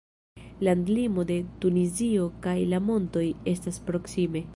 Landlimo de Tunizio kaj la montoj estas proksime.